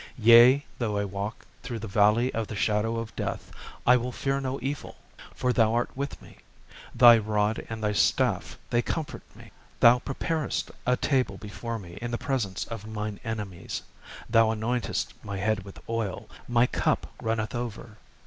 4 Yea, though I walk through the valley of the shadow of death, I will fear no evil: for thou art with me; thy rod and thy staff they comfort me. 5 Thou preparest a table before me in the presence of mine enemies: thou anointest my head with oil; my cup runneth over.